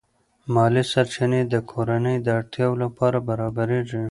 مالی سرچینې د کورنۍ د اړتیاوو لپاره برابرېږي.